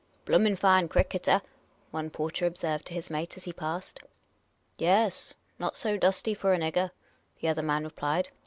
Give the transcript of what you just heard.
" Bloomin' fine cricketer !" one porter observed to his mate as he passed. " Yuss ; not so dusty for a nigger," the other man replied.